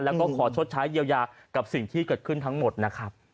แล้วก็ขอชดใช้เยียวยากับสิ่งที่เกิดขึ้นทั้งหมดนะครับ